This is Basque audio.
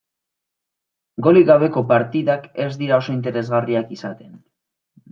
Golik gabeko partidak ez dira oso interesgarriak izaten.